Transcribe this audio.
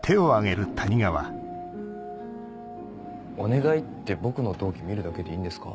お願いって僕の同期見るだけでいいんですか？